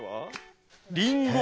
りんご！